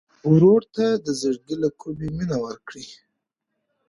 ورور ته د زړګي له کومي مینه ورکوې.